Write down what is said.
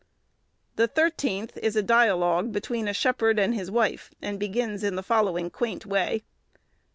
The thirteenth is a dialogue between a shepherd and his wife, and begins in the following quaint way.